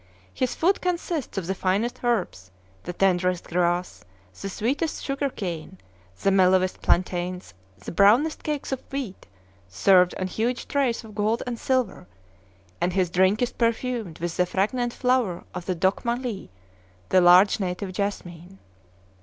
His food consists of the finest herbs, the tenderest grass, the sweetest sugar cane, the mellowest plantains, the brownest cakes of wheat, served on huge trays of gold and silver; and his drink is perfumed with the fragrant flower of the dok mallee, the large native jessamine.